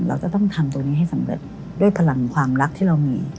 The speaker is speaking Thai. เราจะต้องทำตัวนี้ให้สำเร็จด้วยพลังความรักที่เรามี